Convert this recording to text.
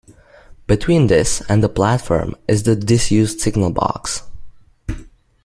Between this and the platform is the disused signal box.